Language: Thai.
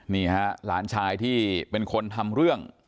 นี่ฮะหลานชายที่เป็นคนทำเรื่อง